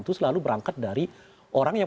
itu selalu berangkat dari orang yang